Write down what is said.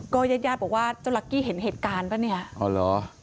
ญาติญาติบอกว่าเจ้าลักกี้เห็นเหตุการณ์ป่ะเนี่ยอ๋อเหรอ